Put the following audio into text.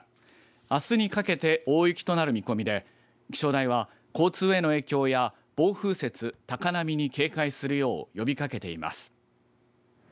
あすにかけて大雪となる見込みで気象台は交通への影響や暴風雪高波に警戒するよう呼びかけています。